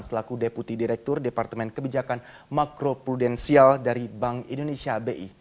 selaku deputi direktur departemen kebijakan makro prudensial dari bank indonesia bi